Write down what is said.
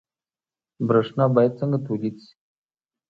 برښنا باید څنګه تولید شي؟